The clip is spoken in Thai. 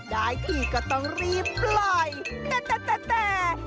ได้ทีก็ต้องรีบปล่อยแต่แต่